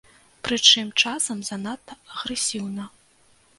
Прычым, часам занадта агрэсіўна.